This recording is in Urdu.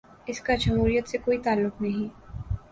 اس کا جمہوریت سے کوئی تعلق نہیں۔